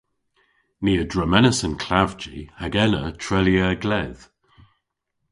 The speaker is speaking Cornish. Ni a dremenas an klavji hag ena treylya a-gledh.